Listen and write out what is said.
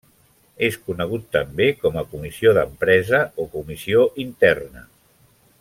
És conegut també com a comissió d'empresa o comissió interna.